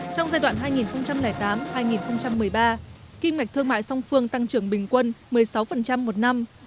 trong giai đoạn hai nghìn tám hai nghìn một mươi ba kim ngạch thương mại song phương tăng trưởng bình quân một mươi sáu một năm